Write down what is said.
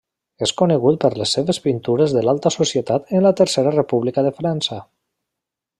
És conegut per les seves pintures de l'alta societat en la Tercera República de França.